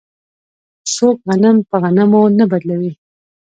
څوک غنم په غنمو نه بدلوي.